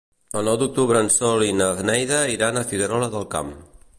El nou d'octubre en Sol i na Neida iran a Figuerola del Camp.